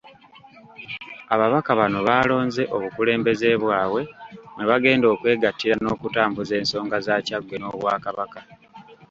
Ababaka bano baalonze obukulembeze bwabwe mwe bagenda okwegattira n'okutambuza ensonga za Kyaggwe n'Obwakabaka.